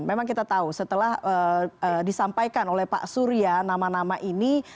memang kita tahu setelah disampaikan oleh pak surya nama nama ini